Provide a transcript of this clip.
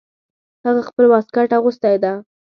هغه خپل واسکټ اغوستی ده